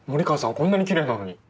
こんなにきれいなのに。